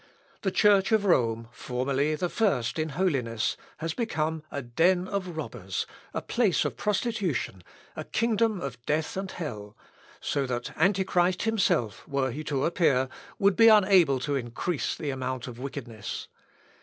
The Church of Rome, formerly the first in holiness, has become a den of robbers, a place of prostitution, a kingdom of death and hell; so that Antichrist himself, were he to appear, would be unable to increase the amount of wickedness.